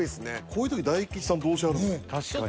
こういう時大吉さんどうしはるんですか？